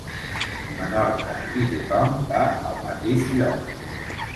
Menorca i tothom va al mateix lloc.